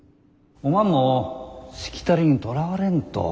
おまんもしきたりにとらわれんと。